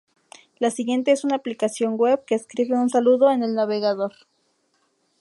La siguiente es una aplicación Web que escribe un saludo en el navegador.